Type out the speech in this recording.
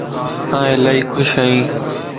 آن الائي خوش ائين